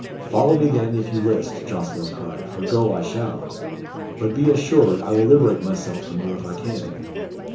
"Follow me, then, if you list," Jocelyn cried; "for go I shall. But be assured I will liberate myself from you if I can."